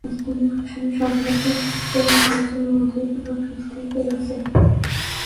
স্থানীয় প্রশাসনের সহযোগিতায় প্রতিপক্ষের সঙ্গে আলোচনার মধ্য দিয়ে তারা ফিরতে পেরেছে।